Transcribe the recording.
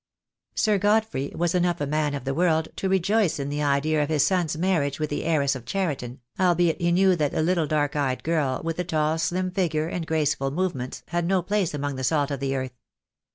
Sir Godfrey was enough a man of the world to rejoice in the idea of his son's marriage wTith the heiress 14 THE DAY WILL COME. of Cheriton, albeit he knew that the little dark eyed girl, with the tall slim figure and graceful movements, had no place among the salt of the earth.